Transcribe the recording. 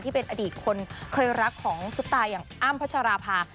ที่เป็นอดีตคนเคยรักของสุตาอย่างอ้ามพระชาราภา